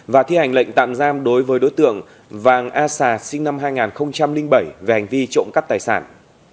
và thi hành lệnh tạm giam đối với đối tượng vàng a sà sinh năm hai nghìn bảy về hành vi trộm cắp tài sản